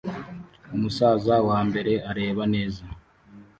Umusaza wambere areba neza